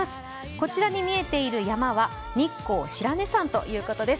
こちらに見えている山は日光白根山ということです。